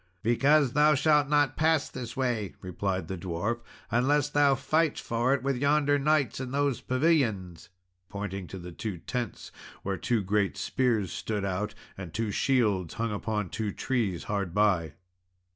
"Because thou shall not pass this way," replied the dwarf, "unless thou fight for it with yonder knights in those pavilions," pointing to two tents, where two great spears stood out, and two shields hung upon two trees hard by.